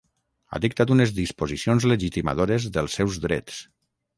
Ha dictat unes disposicions legitimadores dels seus drets.